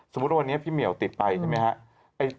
วันนี้พี่เหมียวติดไปใช่ไหมครับ